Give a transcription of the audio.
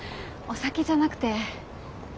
酒じゃなくて。